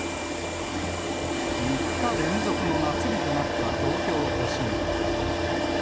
３日連続の夏日となった東京都心。